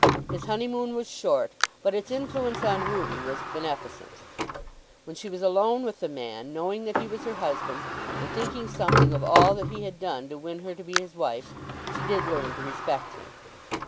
His honeymoon was short, but its influence on Ruby was beneficent. When she was alone with the man, knowing that he was her husband, and thinking something of all that he had done to win her to be his wife, she did learn to respect him.